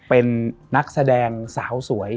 เป็นนักแสดงสาวสวย